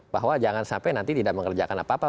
bahwa jangan sampai nanti tidak mengerjakan apa apa